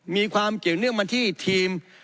มีความเกี่ยวเนื่องมาที่ทีม